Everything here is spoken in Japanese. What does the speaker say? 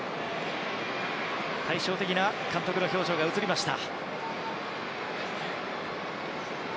対照的な監督の表情が映りました。